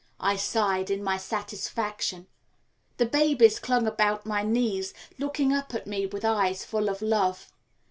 I sighed in my satisfaction. The babies clung about my knees, looking up at me with eyes full of love.